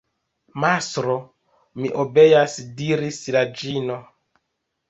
Mastro, mi obeas, diris la ĝino.